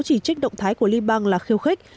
chỉ trích động thái của liban là khiêu khích